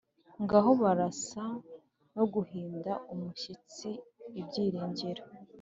ngaho barasa no guhinda umushyitsi ibyiringiro